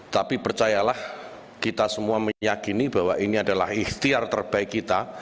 tapi percayalah kita semua meyakini bahwa ini adalah ikhtiar terbaik kita